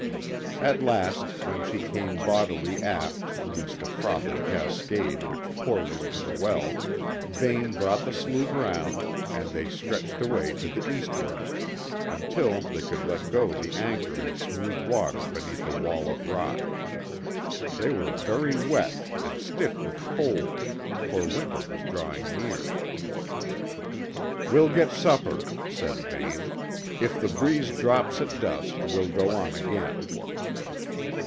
At last, when she came bodily aft amidst a frothing cascade which poured into the well, Vane brought the sloop round, and they stretched away to the eastwards, until they could let go the anchor in smooth water beneath a wall of rock. They were very wet, and stiff with cold, for winter was drawing near. "We'll get supper," said Vane. "If the breeze drops at dusk, we'll go on again."